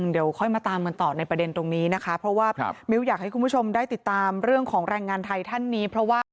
เดี๋ยวค่อยมาตามกันต่อในประเด็นตรงนี้นะคะเพราะว่ามิ้วอยากให้คุณผู้ชมได้ติดตามเรื่องของแรงงานไทยท่านนี้เพราะว่า